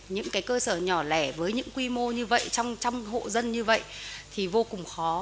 những cơ sở nhỏ lẻ với những quy mô như vậy trong hộ dân như vậy thì vô cùng khó